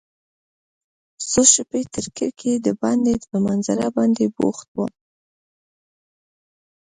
څو شیبې تر کړکۍ دباندې په منظره باندې بوخت وم.